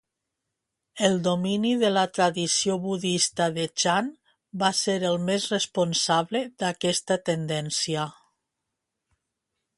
El domini de la tradició budista de Ch'an va ser el més responsable d'aquesta tendència.